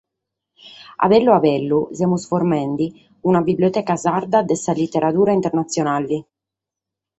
A bellu a bellu semus formende una biblioteca sarda de sa literadura internatzionale.